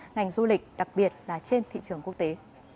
ngành du lịch đặc biệt là trên thị trường quốc tế